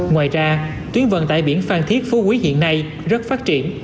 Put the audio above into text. ngoài ra tuyến vận tải biển phan thiết phú quý hiện nay rất phát triển